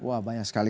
wah banyak sekali